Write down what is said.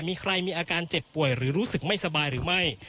มีใครมีอาการเจ็บป่วยหรือรู้สึกไม่สบายหรือไม่